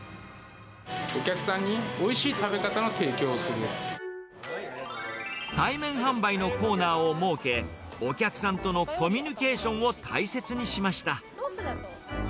お客さんにおいしい食べ方の対面販売のコーナーを設け、お客さんとのコミュニケーションを大切にしました。